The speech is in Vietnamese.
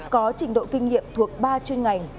có trình độ kinh nghiệm thuộc ba chuyên ngành